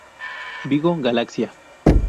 Vigo: Galaxia.